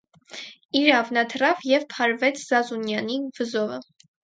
Իրավ, նա թռավ և փարվեց Զազունյանի վզովը: